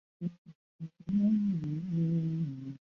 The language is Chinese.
并且福尼也是尤文图斯战前最后一任队长。